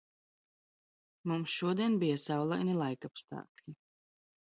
Mums šodien bija saulaini laikapstākļi.